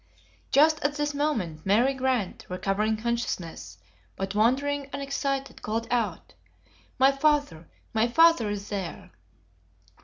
Just at this moment, Mary Grant recovering consciousness, but wandering and excited, called out, "My father! my father is there!"